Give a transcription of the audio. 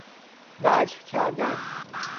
وجه کردن